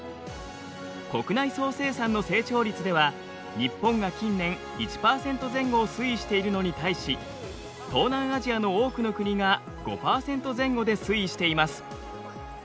国内総生産の成長率では日本が近年１％前後を推移しているのに対し東南アジアの多くの国が５％前後で推移しています。